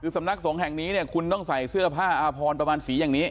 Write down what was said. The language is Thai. สำนักสงแห่งนี้คุณต้องใส่เสื้อผ้าพรประมาณสีอย่างนี้